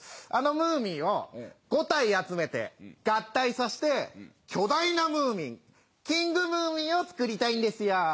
あのムーミンを５体集めて合体させて巨大なムーミンキングムーミンを作りたいんですよ。